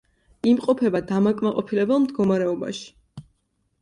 იმყოფება დამაკმაყოფილებელ მდგომარეობაში.